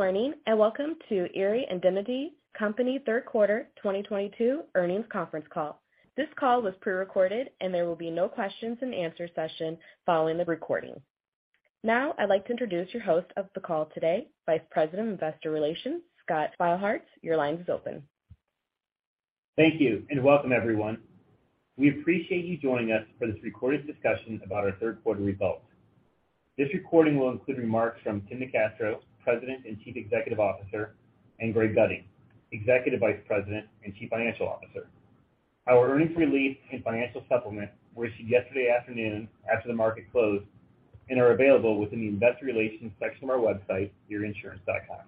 Good morning, and welcome to Erie Indemnity Company third quarter 2022 earnings conference call. This call was prerecorded and there will be no questions--and-answers session following the recording. Now I'd like to introduce your host of the call today, Vice President of Investor Relations, Scott Beilharz. Your line is open. Thank you, and welcome, everyone. We appreciate you joining us for this recorded discussion about our third quarter results. This recording will include remarks from Tim NeCastro, President and Chief Executive Officer, and Greg Gutting, Executive Vice President and Chief Financial Officer. Our earnings release and financial supplement were issued yesterday afternoon after the market closed and are available within the investor relations section of our website, Erieinsurance.com.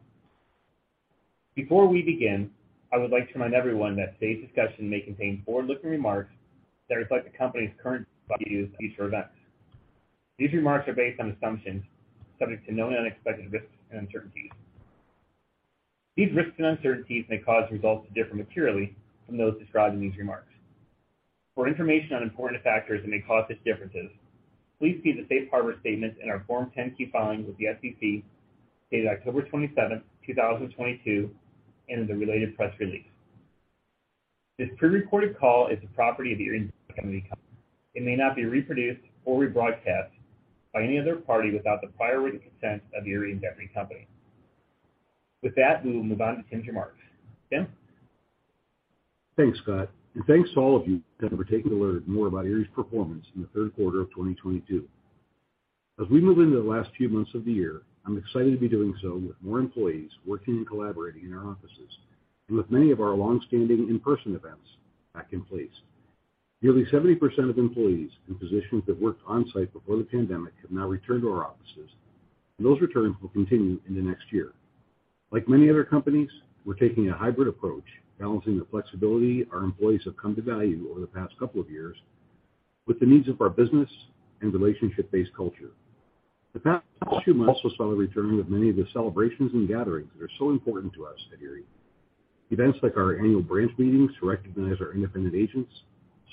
Before we begin, I would like to remind everyone that today's discussion may contain forward-looking remarks that reflect the company's current views of future events. These remarks are based on assumptions subject to known unexpected risks and uncertainties. These risks and uncertainties may cause results to differ materially from those described in these remarks. For information on important factors that may cause such differences, please see the safe harbor statements in our Form 10-K filings with the SEC dated October 27, 2022, and in the related press release. This prerecorded call is the property of the Erie Indemnity Company. It may not be reproduced or rebroadcast by any other party without the prior written consent of the Erie Indemnity Company. With that, we will move on to Tim's remarks. Tim? Thanks, Scott, and thanks to all of you for taking a closer look at more about Erie's performance in the third quarter of 2022. As we move into the last few months of the year, I'm excited to be doing so with more employees working and collaborating in our offices and with many of our long-standing in-person events back in place. Nearly 70% of employees in positions that worked on-site before the pandemic have now returned to our offices, and those returns will continue into next year. Like many other companies, we're taking a hybrid approach, balancing the flexibility our employees have come to value over the past couple of years with the needs of our business and relationship-based culture. The past two months also saw the return of many of the celebrations and gatherings that are so important to us at Erie. Events like our annual branch meetings to recognize our independent agents,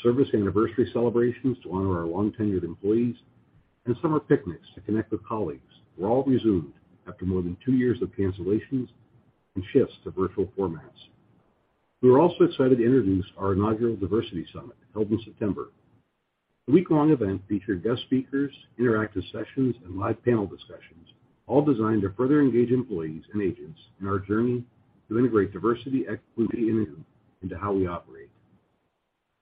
service anniversary celebrations to honor our long-tenured employees, and summer picnics to connect with colleagues were all resumed after more than two years of cancellations and shifts to virtual formats. We were also excited to introduce our inaugural diversity summit held in September. The week-long event featured guest speakers, interactive sessions, and live panel discussions, all designed to further engage employees and agents in our journey to integrate diversity, equity, and inclusion into how we operate.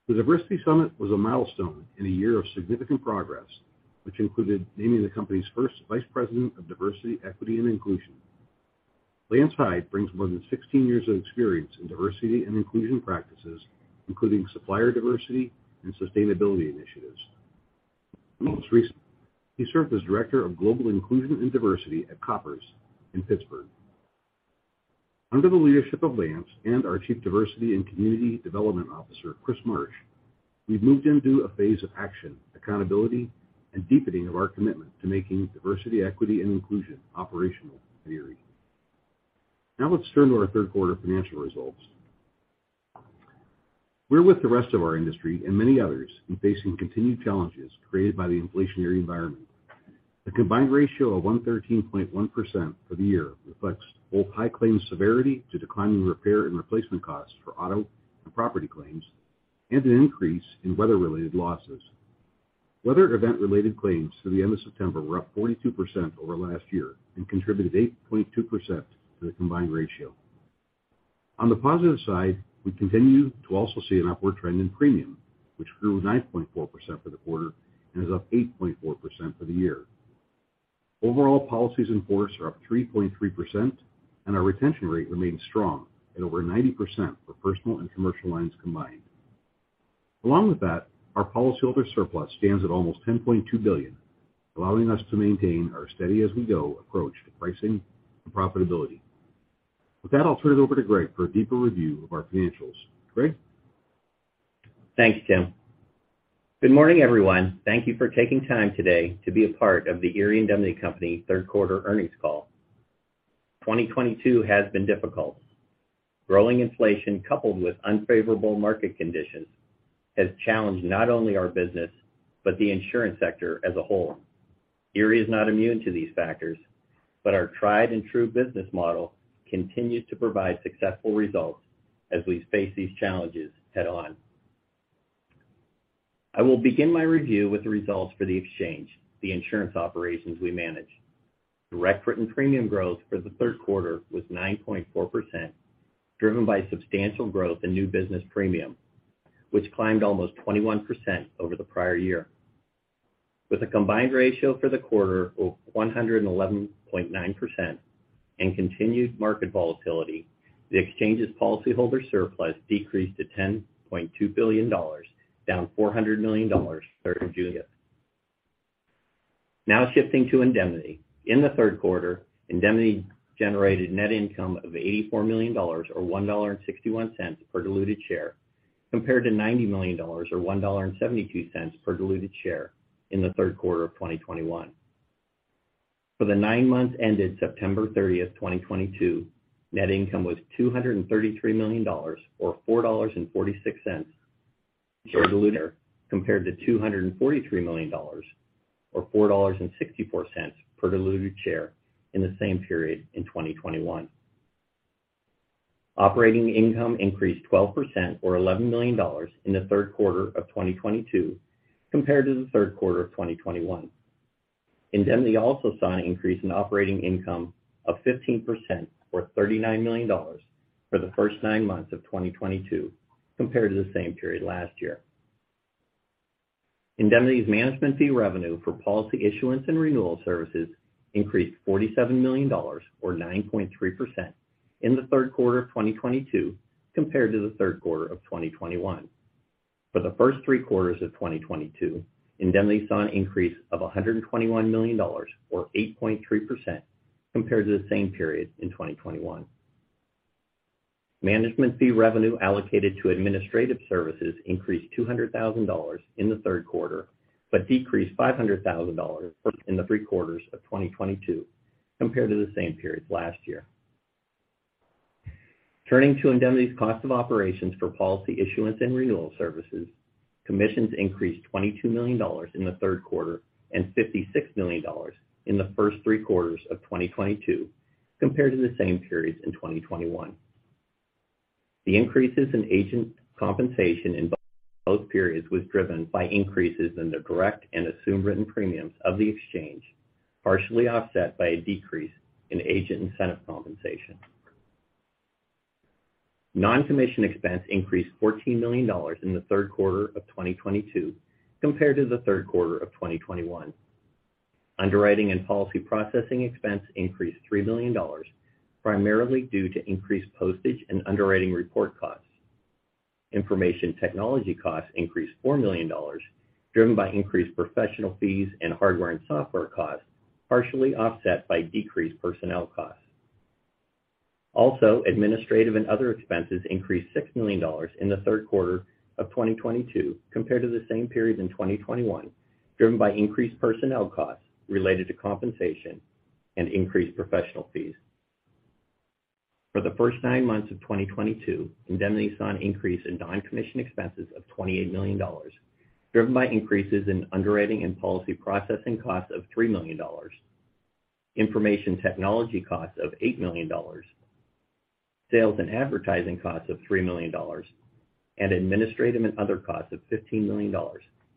The diversity summit was a milestone in a year of significant progress, which included naming the company's first vice president of diversity, equity, and inclusion. Lance Hyde brings more than 16 years of expErience in diversity and inclusion practices, including supplier diversity and sustainability initiatives. Most recently, he served as Director of Global Inclusion and Diversity at Koppers in Pittsburgh. Under the leadership of Lance and our Chief Diversity and Community Development Officer, Chris Marsh, we've moved into a phase of action, accountability, and deepening of our commitment to making diversity, equity, and inclusion operational at Erie. Now let's turn to our third quarter financial results. We're with the rest of our industry and many others in facing continued challenges created by the inflationary environment. A combined ratio of 113.1% for the year reflects both high claims severity due to rising repair and replacement costs for auto and property claims, and an increase in weather-related losses. Weather event-related claims through the end of September were up 42% over last year and contributed 8.2% to the combined ratio. On the positive side, we continue to also see an upward trend in premium, which grew 9.4% for the quarter and is up 8.4% for the year. Overall, policies in force are up 3.3%, and our retention rate remains strong at over 90% for personal and commercial lines combined. Along with that, our policyholder surplus stands at almost $10.2 billion, allowing us to maintain our steady-as-we-go approach to pricing and profitability. With that, I'll turn it over to Greg for a deeper review of our financials. Greg? Thanks, Tim. Good morning, everyone. Thank you for taking time today to be a part of the Erie Indemnity Company third quarter earnings call. 2022 has been difficult. Growing inflation coupled with unfavorable market conditions has challenged not only our business, but the insurance sector as a whole. Erie is not immune to these factors, but our tried and true business model continues to provide successful results as we face these challenges head on. I will begin my review with the results for the exchange, the insurance operations we manage. Direct written premium growth for the third quarter was 9.4%, driven by substantial growth in new business premium, which climbed almost 21% over the prior year. With a combined ratio for the quarter of 111.9% and continued market volatility, the exchange's policyholder surplus decreased to $10.2 billion, down $400 million as of June 30th. Now shifting to Indemnity. In the third quarter, Indemnity generated net income of $84 million, or $1.61 per diluted share, compared to $90 million or $1.72 per diluted share in the third quarter of 2021. For the nine months ended September 30th, 2022, net income was $233 million or $4.46 per diluted share compared to $243 million or $4.64 per diluted share in the same period in 2021. Operating income increased 12% or $11 million in the third quarter of 2022 compared to the third quarter of 2021. Indemnity also saw an increase in operating income of 15% or $39 million for the first nine months of 2022 compared to the same period last year. Indemnity's management fee revenue for policy issuance and renewal services increased $47 million or 9.3% in the third quarter of 2022 compared to the third quarter of 2021. For the first three quarters of 2022, Indemnity saw an increase of $121 million or 8.3% compared to the same period in 2021. Management fee revenue allocated to administrative services increased $200 thousand in the third quarter, but decreased $500 thousand in the three quarters of 2022 compared to the same period last year. Turning to Indemnity's cost of operations for policy issuance and renewal services, commissions increased $22 million in the third quarter and $56 million in the first three quarters of 2022 compared to the same periods in 2021. The increases in agent compensation in both periods was driven by increases in the direct and assumed written premiums of the exchange, partially offset by a decrease in agent incentive compensation. Non-commission expense increased $14 million in the third quarter of 2022 compared to the third quarter of 2021. Underwriting and policy processing expense increased $3 million, primarily due to increased postage and underwriting report costs. Information technology costs increased $4 million, driven by increased professional fees and hardware and software costs, partially offset by decreased personnel costs. Also, administrative and other expenses increased $6 million in the third quarter of 2022 compared to the same period in 2021, driven by increased personnel costs related to compensation and increased professional fees. For the first nine months of 2022, Indemnity saw an increase in non-commission expenses of $28 million, driven by increases in underwriting and policy processing costs of $3 million, information technology costs of $8 million, sales and advertising costs of $3 million, and administrative and other costs of $15 million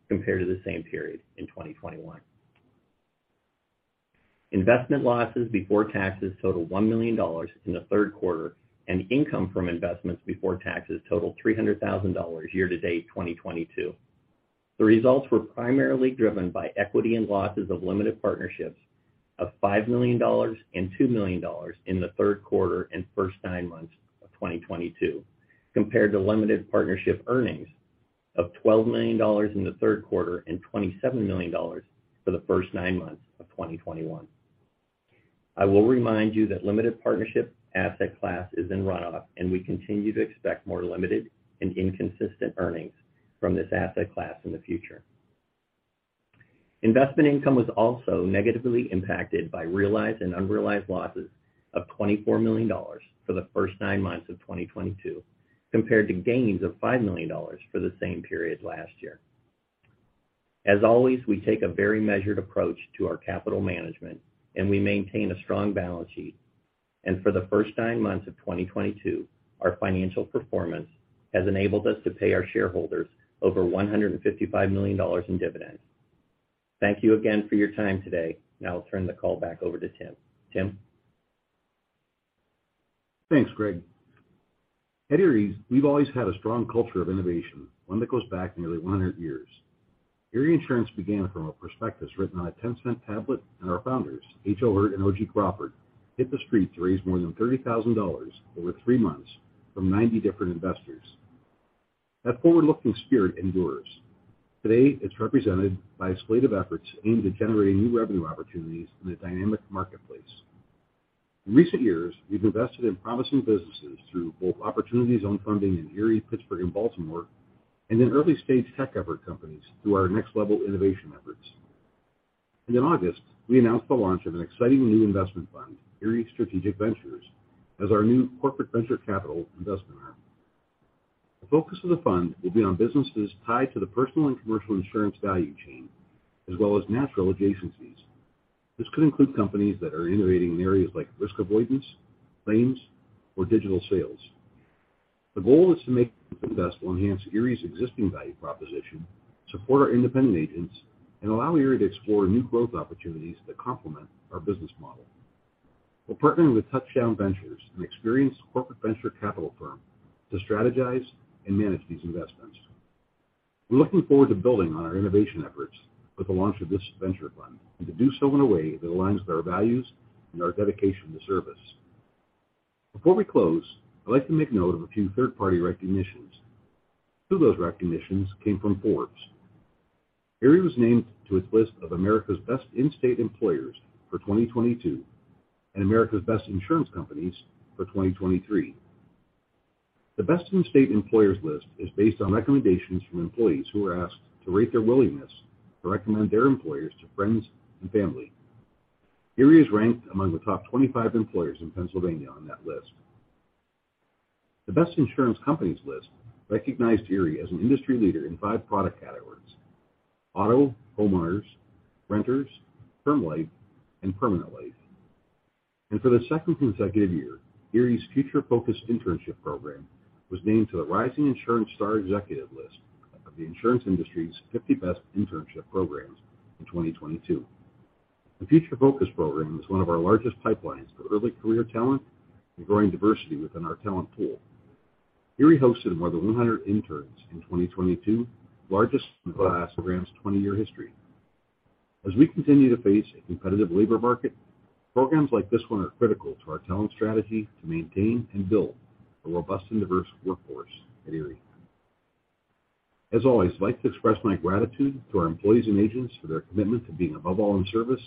compared to the same period in 2021. Investment losses before taxes totaled $1 million in the third quarter, and income from investments before taxes totaled $300,000 year-to-date 2022. The results were primarily driven by equity and losses of limited partnerships of $5 million and $2 million in the third quarter and first nine months of 2022, compared to limited partnership earnings of $12 million in the third quarter and $27 million for the first nine months of 2021. I will remind you that limited partnership asset class is in runoff, and we continue to expect more limited and inconsistent earnings from this asset class in the future. Investment income was also negatively impacted by realized and unrealized losses of $24 million for the first nine months of 2022, compared to gains of $5 million for the same period last year. As always, we take a very measured approach to our capital management, and we maintain a strong balance sheet. For the first nine months of 2022, our financial performance has enabled us to pay our shareholders over $155 million in dividends. Thank you again for your time today. Now I'll turn the call back over to Tim. Tim? Thanks, Greg. At Erie, we've always had a strong culture of innovation, one that goes back nearly 100 years. Erie Insurance began from a prospectus written on a $0.10-tablet, and our founders, H.O. Hirt and O.G. Crawford, hit the street to raise more than $30,000 over three months from 90 different investors. That forward-looking spirit endures. Today, it's represented by a slate of efforts aimed at generating new revenue opportunities in a dynamic marketplace. In recent years, we've invested in promising businesses through both funding opportunities in Erie, Pittsburgh, and Baltimore, and in early-stage tech-focused companies through our next level innovation efforts. In August, we announced the launch of an exciting new investment fund, Erie Strategic Ventures, as our new corporate venture capital investment arm. The focus of the fund will be on businesses tied to the personal and commercial insurance value chain, as well as natural agencies. This could include companies that are innovating in areas like risk avoidance, claims, or digital sales. The goal is to make investment enhance ERIE's existing value proposition, support our independent agents, and allow ERIE to explore new growth opportunities that complement our business model. We're partnering with Touchdown Ventures, an experienced corporate venture capital firm, to strategize and manage these investments. We're looking forward to building on our innovation efforts with the launch of this venture fund, and to do so in a way that aligns with our values and our dedication to service. Before we close, I'd like to make note of a few third-party recognitions. Two of those recognitions came from Forbes. ERIE was named to its list of America's Best-In-State Employers for 2022, and America's Best Insurance Companies for 2023. The Best-In-State Employers list is based on recommendations from employees who were asked to rate their willingness to recommend their employers to friends and family. ERIE is ranked among the top 25 employers in Pennsylvania on that list. The Best Insurance Companies list recognized Erie as an industry leader in five product categories, auto, homeowners, renters, term life, and permanent life. For the second consecutive year, ERIE's Future Focus Internship Program was named to the Rising Insurance Star Executives list of the insurance industry's 50 best internship programs in 2022. The Future Focus program is one of our largest pipelines for early career talent and growing diversity within our talent pool. ERIE hosted more than 100 interns in 2022, largest in the class program's 20-year history. As we continue to face a competitive labor market, programs like this one are critical to our talent strategy to maintain and build a robust and diverse workforce at Erie. As always, I'd like to express my gratitude to our employees and agents for their commitment to being above all in service,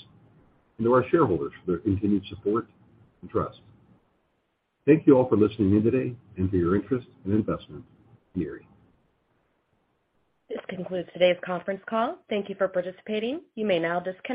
and to our shareholders for their continued support and trust. Thank you all for listening in today and for your interest and investment in Erie. This concludes today's conference call. Thank you for participating. You may now disconnect.